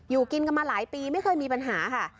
อยู่กินกันมาหลายปีไม่เคยมีปัญหาค่ะ